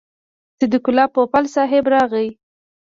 صدیق الله پوپل صاحب راغی.